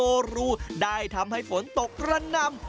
รูได้ทำให้ฝนตกระนำ